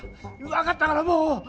分かったからもう。